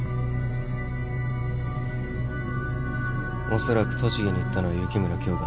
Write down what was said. おそらく栃木に行ったのは雪村京花だ。